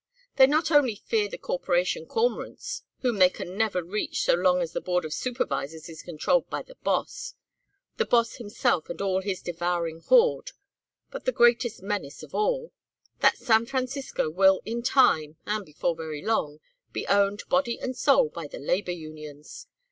They not only fear the corporation cormorants whom they can never reach so long as the Board of Supervisors is controlled by the Boss the Boss himself and all his devouring horde, but the greatest menace of all: that San Francisco will in time, and before very long, be owned body and soul by the labor unions.